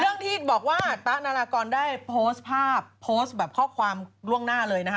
เรื่องที่บอกว่าตะนารากรได้โพสต์ภาพโพสต์แบบข้อความล่วงหน้าเลยนะคะ